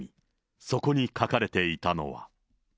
そこに書かれていたのは。